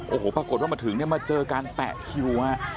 โอ้โหปรากฏว่ามาถึงมาเจอการแปะคิว